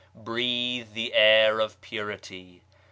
Breathe the air of purity.